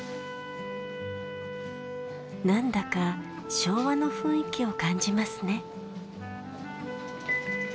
何だか昭和の雰囲気を感じますね。